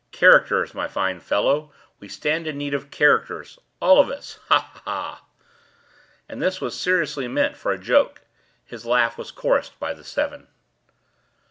Characters, my fine fellow; we stand in need of characters—all of us—ha! ha! ha!" and as this was seriously meant for a joke, his laugh was chorused by the seven.